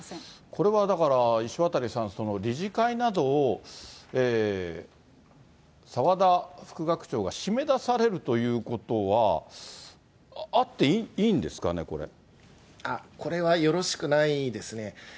これはだから、石渡さん、理事会などを澤田副学長が閉め出されるということは、あっていいこれはよろしくないですね。